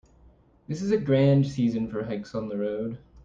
This is a grand season for hikes on the road.